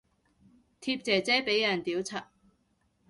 貼姐姐俾人屌柒